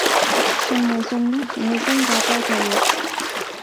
送咪送咯，我去新加坡做嘢